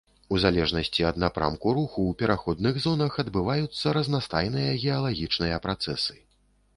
У залежнасці ад напрамку руху ў пераходных зонах адбываюцца разнастайныя геалагічныя працэсы.